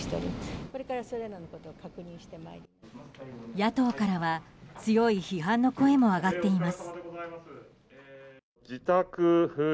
野党からは強い批判の声も上がっています。